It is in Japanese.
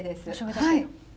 はい。